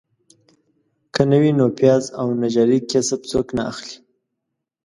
که نه وي نو پیاز او نجاري کسب څوک نه اخلي.